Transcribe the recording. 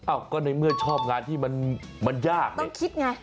อ้าวก็ในเมื่อชอบงานที่มันยากไม่คิดไง